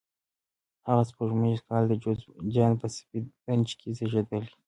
هغه په سپوږمیز کال د جوزجان په سفید نج کې زیږېدلی.